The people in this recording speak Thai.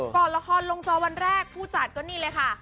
ก่อนละครลงจอวันแรกผู้จัดก็นี่เลยค่ะ